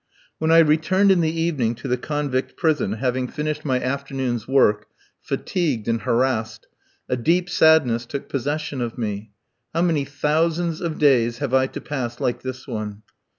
When I returned in the evening to the convict prison, having finished my afternoon's work, fatigued and harassed, a deep sadness took possession of me. "How many thousands of days have I to pass like this one?"